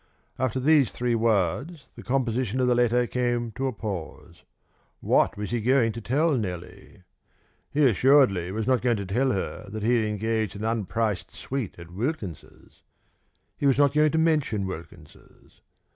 After these three words the composition of the letter came to a pause. What was he going to tell Nellie? He assuredly was not going to tell her that he had engaged an unpriced suite at Wilkins's. He was not going to mention Wilkins's.